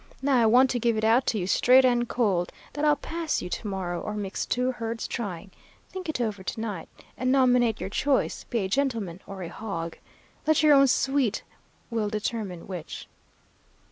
Now I want to give it out to you straight and cold, that I'll pass you to morrow, or mix two herds trying. Think it over to night and nominate your choice be a gentleman or a hog. Let your own sweet will determine which.'